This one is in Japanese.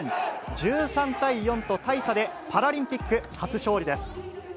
１３対４と大差で、パラリンピック初勝利です。